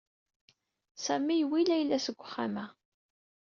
Sami yewwi Layla seg uxxam-a.